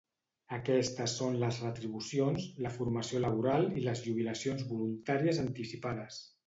Aquestes són les retribucions, la formació laboral i les jubilacions voluntàries anticipades.